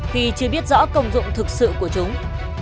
khi chưa biết rõ công dụng thực sự của chúng